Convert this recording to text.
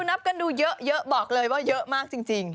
นับกันดูเยอะบอกเลยว่าเยอะมากจริง